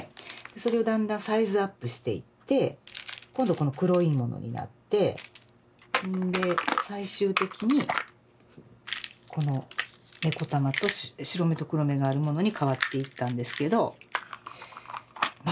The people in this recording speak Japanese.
それをだんだんサイズアップしていって今度この黒いものになってほんで最終的にこの白目と黒目があるものに変わっていったんですけどま